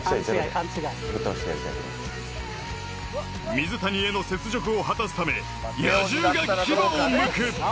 水谷への雪辱を果たすため野獣が牙をむく！